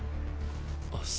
あっす。